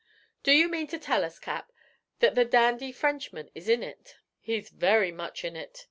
'Do you mean to tell us, Cap, that the dandy Frenchman is in it?' 'He is very much in it.